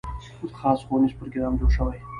خاص ښوونیز پروګرام جوړ شوی.